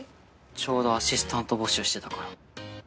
ちょうどアシスタント募集してたから。